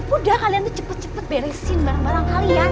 udah kalian tuh cepet cepet beresin barang barang kalian